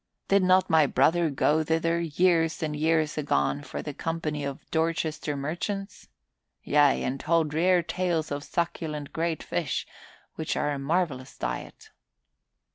"Did not my brother go thither, years and years agone, for the company of Dorchester merchants? Yea, and told rare tales of succulent great fish, which are a marvelous diet."